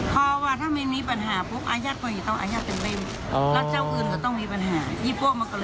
พอว่าถ้าไม่มีปัญหาปุ๊บอาญาติมันอยู่ต้องอาญาติเป็นเล่น